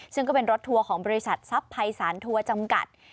ซึ่งก็เป็นรถทัวร์ของบริษัททรัพย์ภัยสารทัวร์จำกัด